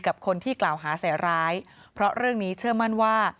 กับคนที่กล่าวหาใส่ร้ายเพราะเรื่องนี้เชื่อมั่นว่า